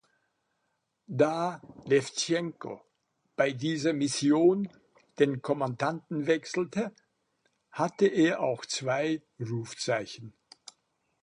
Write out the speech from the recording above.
Da Lewtschenko bei dieser Mission den Kommandanten wechselte, hatte er auch zwei Rufzeichen.